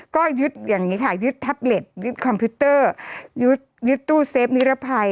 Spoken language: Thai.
ก็ยึดทับเล็ตยึดคอมพิวเตอร์ยึดตู้เซฟนิรภัย